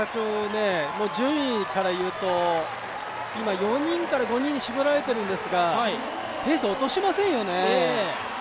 順位からいうと、今、４５人に絞られているんですがペース落としませんよね。